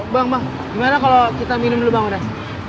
bang bang gimana kalau kita minum dulu bang udah